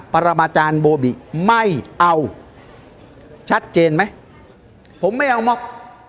ประมาจารย์โบบิไม่เอาชัดเจนไหมผมไม่เอาม็อก